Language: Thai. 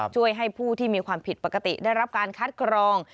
ช่วยให้ผู้ที่มีความผิดปกติได้รับการคัดกรอง